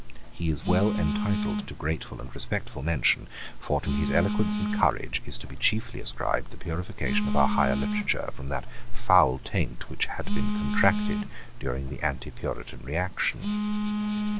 He is well entitled to grateful and respectful mention: for to his eloquence and courage is to be chiefly ascribed the purification of our lighter literature from that foul taint which had been contracted during the Antipuritan reaction.